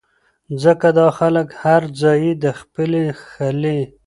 ځکه دا خلک هر ځائے د خپلې خلې